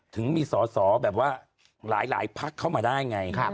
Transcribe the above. ถึงมีสอสอแบบว่าหลายพักเข้ามาได้ไง